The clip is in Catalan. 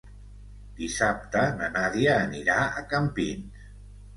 Dissabte na Nàdia anirà a Campins.